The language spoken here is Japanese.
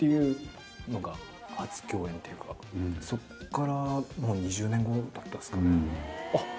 そこからもう２０年たったんすかね。